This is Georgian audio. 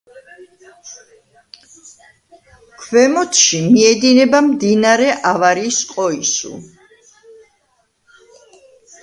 ქვემოთში მიედინება მდინარე ავარიის ყოისუ.